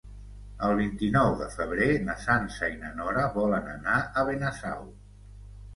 El vint-i-nou de febrer na Sança i na Nora volen anar a Benasau.